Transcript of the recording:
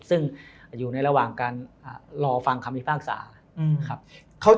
ซึ่งอยู่ในระหว่างการรอฟังคำพิพากษาครับ